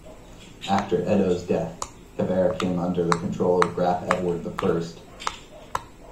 After Edo's death Jever came under the control of Graf Edward the First.